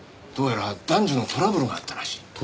どうやら男女のトラブルがあったらしい。